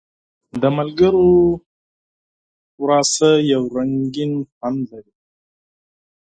د ملګرو مجلس یو رنګین خوند لري.